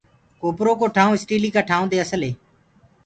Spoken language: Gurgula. ڪوپرو ڪو ٺآئون اسٽيلي ڪآ ٽآئونٚ دي اسل هي۔